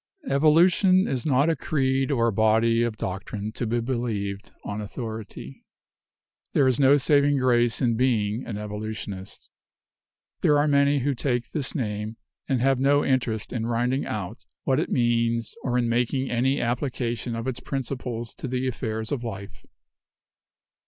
"Evolution is not a creed or a body of doctrine to be believed on authority. There is no saving grace in being an evolutionist. There are many who take this name and have no interest in rinding out what it means or in making any application of its principles to the affairs of life.